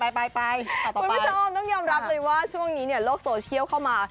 คุณผู้ชมต้องยอมรับเลยว่าช่วงนี้เนี่ยโลกโซเชียลเข้ามา